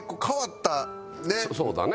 そうだね。